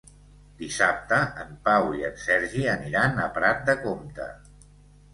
Dissabte en Pau i en Sergi aniran a Prat de Comte.